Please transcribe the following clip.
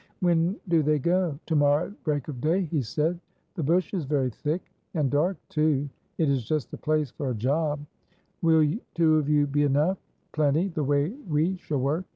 "When do they go?" "To morrow at break of day," he said. "The bush is very thick!" "And dark, too!" "It is just the place for a job." "Will two of you be enough?" "Plenty, the way we shall work."